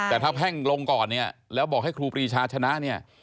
แต่ถ้าแพ่งลงก่อนเนี่ยแล้วบอกให้ครูปรีชาชนะเนี่ย